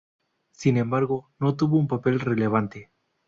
Sin embargo, no tuvo un papel relevante.